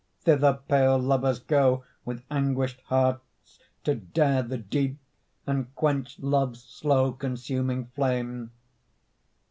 Thither pale lovers go With anguished hearts To dare the deep and quench Love's slow consuming flame.